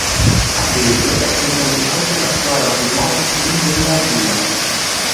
A Desio è presente inoltre la squadra di nuoto Team Lombardia.